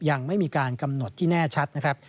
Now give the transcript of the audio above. ยังไม่มีการกำหนดที่แน่ชัดนะครับ